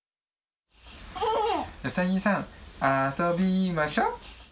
うさぎさん、遊びましょ。